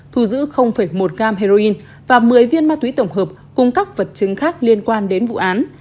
thu giữ một g heroin và một mươi viên ma túy tổng hợp cùng các vật chứng khác liên quan đến vụ án